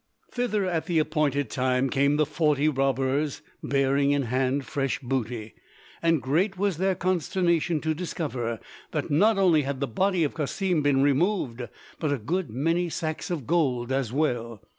Thither, at the appointed time, came the forty robbers, bearing in hand fresh booty; and great was their consternation to discover that not only had the body of Cassim been removed, but a good many sacks of gold as well.